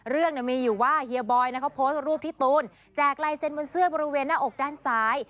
เรื่องมีอยู่ว่าเฮียบอยเขาโพสต์รูปที่ตูนแจกลายเซ็นบนเสื้อบริเวณหน้าอกด้านซ้าย